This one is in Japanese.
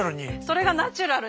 それがナチュラルに。